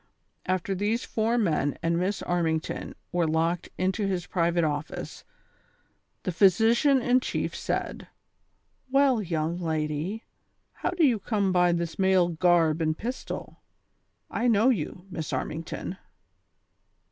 After these four men and Miss Armington were locked into his private office, the pliysician in chief said :" Well, young lady ; how do you come by this male garb and pistol V I know you. Miss Armington.''